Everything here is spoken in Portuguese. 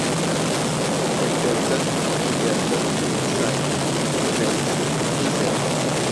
Oitenta, noventa, cem, duzentos, trezentos